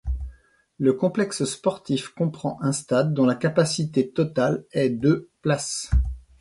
Le complexe sportif comprend un stade dont la capacité totale est de places.